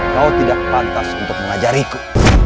kau tidak pantas untuk mengajariku